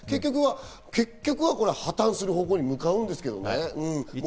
結局は破綻する方向に向かうんですけどね。